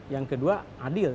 yang kedua adil